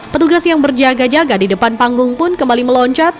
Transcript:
petugas yang berjaga jaga di depan panggung pun kembali meloncat